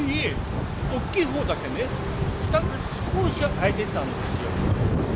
大きい方だけね蓋が少し開いてたんですよ。